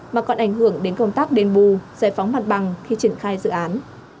mà còn ảnh hưởng đến công tác đền bù giải phóng mặt bằng khi triển khai dự án